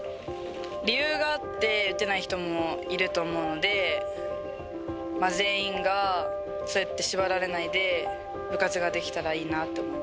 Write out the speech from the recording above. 理由があって打てない人もいると思うので、全員がそうやって縛られないで、部活ができたらいいなって思い